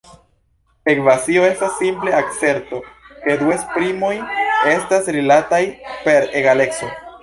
Ekvacio estas simple aserto ke du esprimoj estas rilatantaj per egaleco.